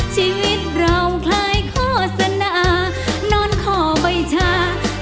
ชีวิตเราใครเขาสนานอนขอบใบชากับนอนตัวน้อย